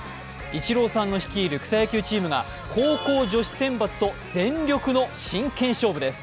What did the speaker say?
イチローさんの率いる草野球チームが高校女子選抜と全力の真剣勝負です。